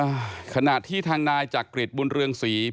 อะขนาดที่ทางนายจากกีฤทธิ์บุญเรืองสี